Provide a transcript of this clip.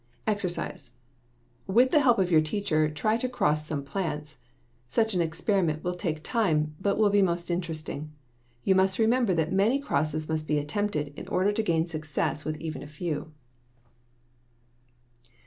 =EXERCISE= With the help of your teacher try to cross some plants. Such an experiment will take time, but will be most interesting. You must remember that many crosses must be attempted in order to gain success with even a few.